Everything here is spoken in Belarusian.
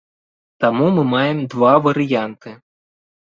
Таму мы маем два варыянты.